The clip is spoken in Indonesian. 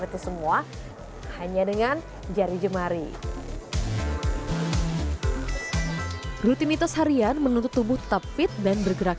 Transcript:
itu semua hanya dengan jari jemari rutinitas harian menuntut tubuh tetap fit dan bergerak